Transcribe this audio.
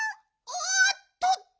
おっとっと。